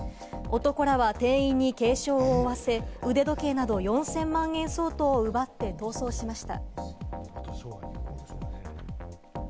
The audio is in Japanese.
男らは店員に軽傷を負わせ、腕時計など４０００万円相当を奪って逃走しました。